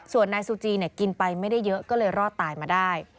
ส่วนนายซูจีกินไปไม่ได้เยอะก็เลยรอดตายมาได้